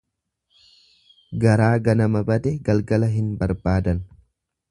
Garaa ganama bade galgala hin barbaadan.